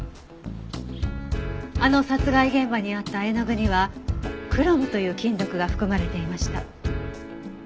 あの殺害現場にあった絵の具にはクロムという金属が含まれていました。